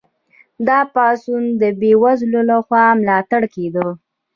دا پاڅون د بې وزلو لخوا ملاتړ کیده.